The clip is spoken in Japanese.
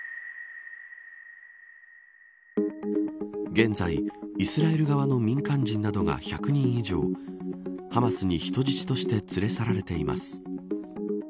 現在、イスラエル側の民間人などが１００人以上ハマスに人質として連れ去られています。